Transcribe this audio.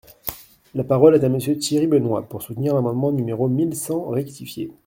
La parole est à Monsieur Thierry Benoit, pour soutenir l’amendement numéro mille cent rectifié.